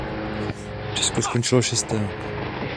Česko skončilo šesté.